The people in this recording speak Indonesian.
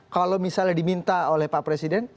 kalau misalnya diminta oleh pak presiden